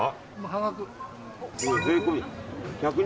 半額。